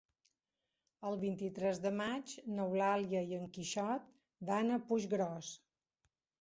El vint-i-tres de maig n'Eulàlia i en Quixot van a Puiggròs.